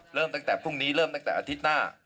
เริ่มตั้งแต่พรุ่งนี้เริ่มตั้งแต่อาทิตย์หน้า